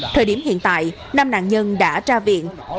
thời điểm hiện tại năm nạn nhân đã ra viện